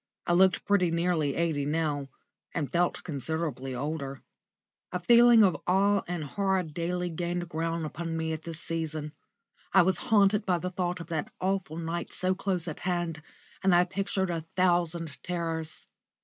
I looked pretty nearly eighty now, and felt considerably older. A feeling of awe and horror daily gained ground upon me at this season. I was haunted by the thought of that awful night so close at hand, and I pictured a thousand terrors.